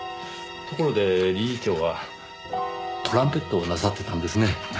ところで理事長はトランペットをなさってたんですね。